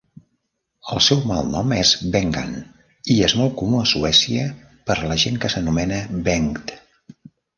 El seu malnom és "Bengan" i és molt comú a Suècia per a la gent que s'anomena Bengt.